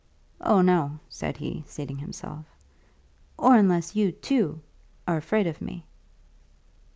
"Oh, no," said he, seating himself. "Or unless you, too, are afraid of me."